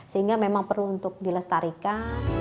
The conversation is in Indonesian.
sehingga memang perlu untuk dilestarikan